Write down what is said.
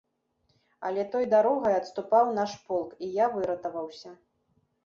Але той дарогай адступаў наш полк, і я выратаваўся.